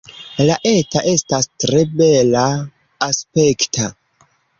La eta estas tre bela-aspekta.